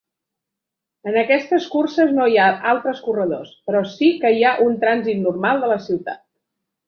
En aquestes curses no hi ha altres corredors, però sí que hi ha un trànsit normal de la ciutat.